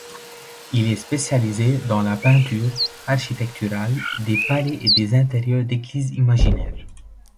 Il est spécialisé dans la peinture architecturale, des palais et des intérieurs d'églises imaginaires.